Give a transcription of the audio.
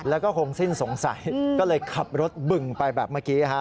แล้วก็คงสิ้นสงสัยก็เลยขับรถบึงไปแบบเมื่อกี้